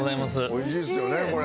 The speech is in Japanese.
美味しいですよねこれ。